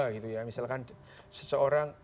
gitu ya misalkan seseorang